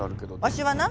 わしはな